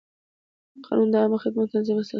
قانون د عامه خدمت د تنظیم اساسي وسیله ده.